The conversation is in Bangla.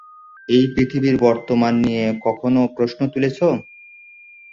এই পৃথিবীর বর্তমান নিয়ে কখনো প্রশ্ন তুলেছো?